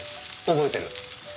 覚えてる？